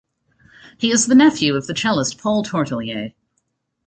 He is the nephew of the cellist Paul Tortelier.